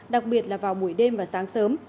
đặc biệt là vào buổi đêm và sáng sớm